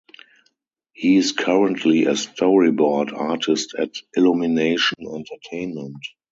He's currently a storyboard artist at Illumination Entertainment.